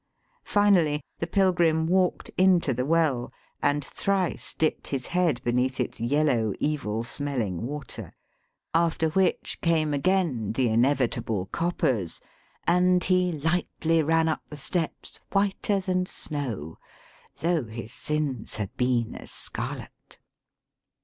Fin ally, the pilgrim walked into the well, and thrice dipped his head beneath its yellow, evil smelling water ; after which came again the inevitable coppers, and he lightly ran up the steps whiter than snow, though his sins had been as scarlet.